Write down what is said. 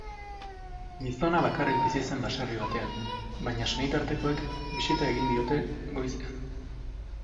Gizona bakarrik bizi zen baserri batean, baina senitartekoek bisita egin diote goizean.